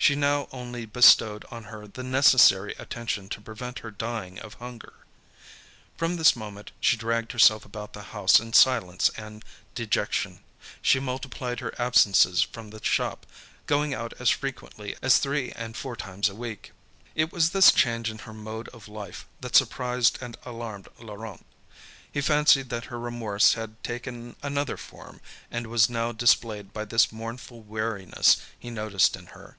She now only bestowed on her the necessary attention to prevent her dying of hunger. From this moment she dragged herself about the house in silence and dejection. She multiplied her absences from the shop, going out as frequently as three and four times a week. It was this change in her mode of life, that surprised and alarmed Laurent. He fancied that her remorse had taken another form, and was now displayed by this mournful weariness he noticed in her.